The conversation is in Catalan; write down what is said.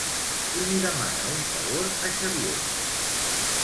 Qui li demana un favor a Xavier?